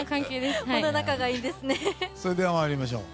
それでは、参りましょう。